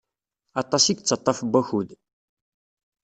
Atas i yettaṭaf n wakud.